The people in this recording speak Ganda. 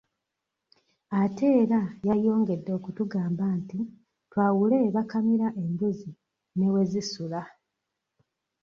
Ate era yayongedde okutugamba nti twawule we bakamira embuzi ne we zisula.